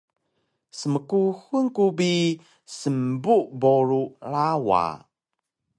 Smkuxul ku bi smbu boru rawa